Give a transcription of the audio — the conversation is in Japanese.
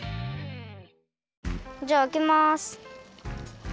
じゃああけます。